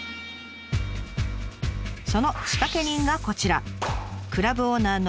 その仕掛け人がこちら。